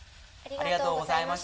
ありがとうございます。